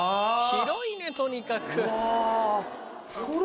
広いねとにかく。